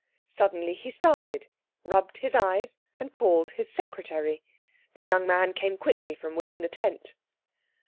Suddenly he started, rubbed his eyes, and called his secretary. The young man came quickly from within the tent.